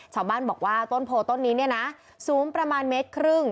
ชาวบ้านบอกว่าต้นโพต้นนี้เนี่ยนะสูงประมาณเมตรครึ่ง